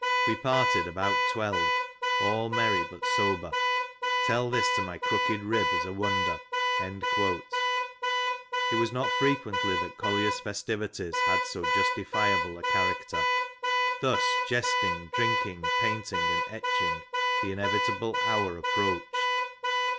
We parted about twelve, all merrj but sober ; (tell this to my crooked rib as a won "der).'' It was not frequently that Collier's festivities had so justi fiable a character. Thus jesting, drinking, painting, and etching, the inevitable hour approached.